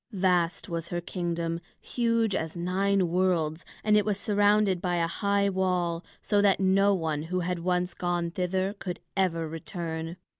Vast was her kingdom, huge as nine worlds, and it was surrounded by a high wall, so that no one who had once gone thither could ever return.